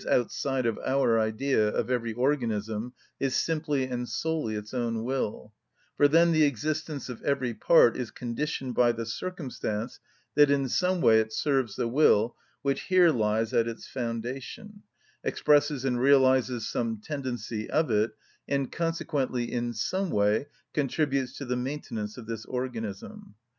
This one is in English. _, outside of our idea) of every organism is simply and solely its own will; for then the existence of every part is conditioned by the circumstance that in some way it serves the will which here lies at its foundation, expresses and realises some tendency of it, and consequently in some way contributes to the maintenance of this organism.